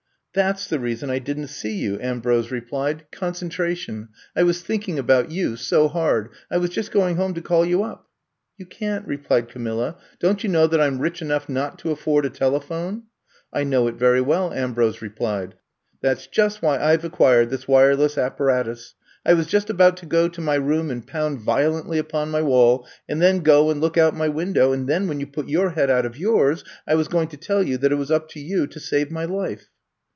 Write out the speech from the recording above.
*'That 's the reason I didn't see you," 26 Ik I'VE COME TO STAY 27 Ambrose replied. Concentration. I waa thinking about you so hard. I was just going home to call you up. '' You can't,'^ replied Camilla. Don't you know that I 'm rich enough not to af ford a telephone?'' I know it very well," Ambrose replied. That 's just why I 've acquired this wire less apparatus. I was just about to go to my room and pound violently upon my wall and then go and look out my window, and then when you put your head out of yours^ I was going to tell you that it was up to you to save my life.